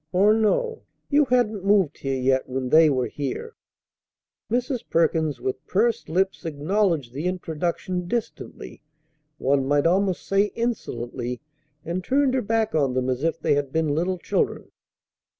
Or no; you hadn't moved here yet when they were here " Mrs. Perkins with pursed lips acknowledged the introduction distantly, one might almost say insolently, and turned her back on them as if they had been little children.